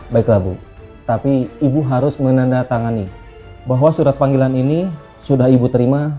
baiklah bu tapi ibu harus menandatangani bahwa surat panggilan ini sudah ibu terima